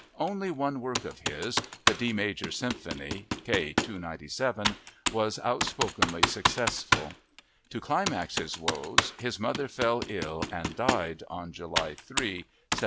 Only one work of his—the D major Symphony (K. 297)—was outspokenly successful. To climax his woes his mother fell ill and died on July 3, 1778.